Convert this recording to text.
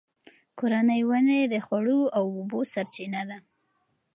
کورني ونې د خواړو او اوبو سرچینه ده.